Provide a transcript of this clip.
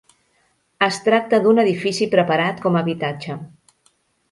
Es tracta d'un edifici preparat com a habitatge.